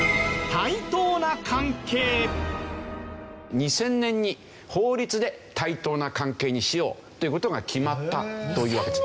２０００年に法律で対等な関係にしようという事が決まったというわけです。